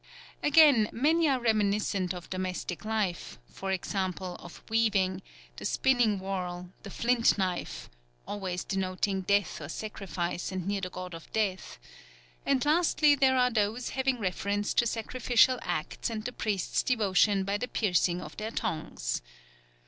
Again, many are reminiscent of domestic life, for example, of weaving, the spinning whorl, the flint knife (always denoting death or sacrifice and near the God of Death), and lastly there are those having reference to sacrificial acts and the priests' devotion by the piercing of their tongues.